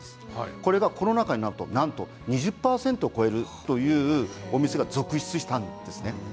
それがコロナ禍になって２０％を超えるというお店が続出したんですね。